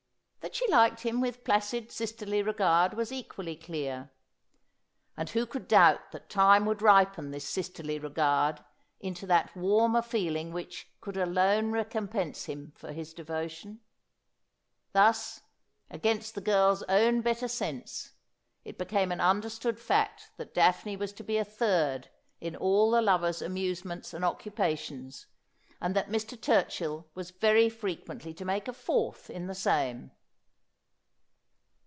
That she liked him with placid sisterly regard was equally clear. And who could doubt that time would ripen this sisterly regard into that warmer feeling which could alone recompense him for his devotion ? Thus, against the girl's own better sense, it became an understood fact that Daphne was to be a third in all the lovers' amusements and occupations, and that Mr. Turchill was very frequently to make a fourth in the same.